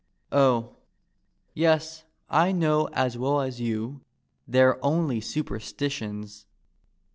"— Oh, yes, I know as well as you They're only superstitions.